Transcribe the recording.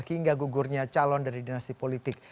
hingga gugurnya calon dari dinasti politik